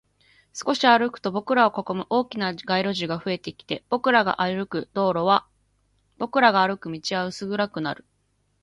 少し歩くと、僕らを囲む大きな街路樹が増えてきて、僕らが歩く道は薄暗くなる